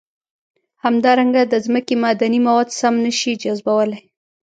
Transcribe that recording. همدارنګه د ځمکې معدني مواد سم نه شي جذبولی.